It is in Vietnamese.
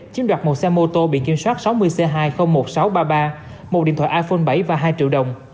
chiếm đoạt một xe mô tô biển kiểm soát sáu mươi c hai trăm linh một nghìn sáu trăm ba mươi ba một điện thoại iphone bảy và hai triệu đồng